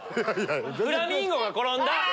フラミンゴが転んだ。